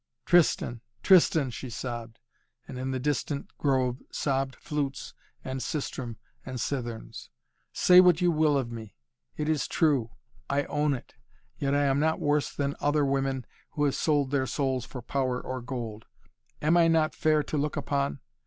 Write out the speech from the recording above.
"Tristan Tristan," she sobbed and in the distant grove sobbed flutes and sistrum and citherns "say what you will of me; it is true. I own it. Yet I am not worse than other women who have sold their souls for power or gold. Am I not fair to look upon?